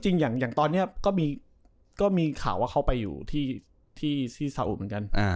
อย่างตอนนี้ก็มีข่าวว่าเขาไปอยู่ที่สาอุเหมือนกัน